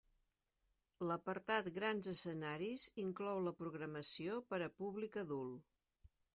L'apartat Grans Escenaris inclou la programació per a públic adult.